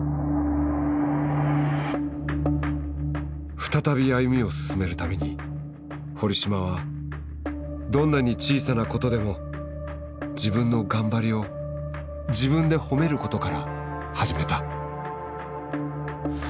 再び歩みを進めるために堀島はどんなに小さなことでも自分の頑張りを自分で褒めることから始めた。